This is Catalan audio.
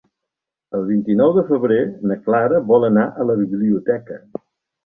El vint-i-nou de febrer na Clara vol anar a la biblioteca.